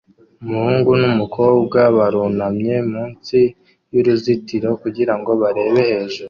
Umuhungu numukobwa barunamye munsi yuruzitiro kugirango barebe hejuru